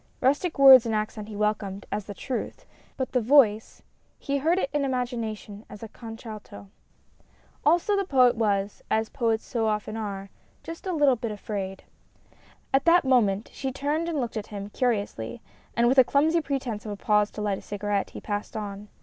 Rustic words and accent he welcomed as the truth, but the voice he heard it in imagination as a contralto. Also the Poet was, as poets so often are, just a little bit afraid. At that moment she turned and looked at him curiously, and with a clumsy pretence of a pause to light a cigarette, he passed on.